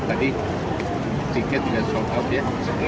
tadi tiket juga short out ya